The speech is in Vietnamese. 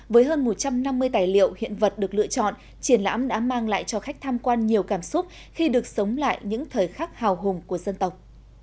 với hơn một trăm năm mươi tài liệu hiện vật được lựa chọn triển lãm đã mang lại cho khách tham quan nhiều cảm xúc khi được sống lại những thời khắc hào hùng của dân tộc